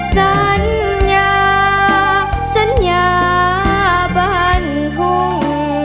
สัญญาสัญญาบัญธุง